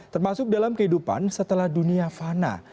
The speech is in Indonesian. termasuk dalam kehidupan setelah dunia fana